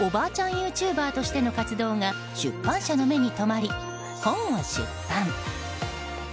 ＹｏｕＴｕｂｅとしての活動が出版社の目に留まり、本を出版。